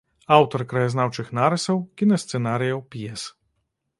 Аўтар краязнаўчых нарысаў, кінасцэнарыяў, п'ес.